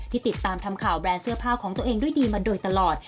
ติดตามทำข่าวแบรนด์เสื้อผ้าของตัวเองด้วยดีมาโดยตลอด